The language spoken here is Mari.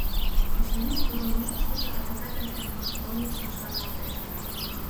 Очыни, тудын ушыштыжо адакат эртен кодшо орлыкшо шарналтеш.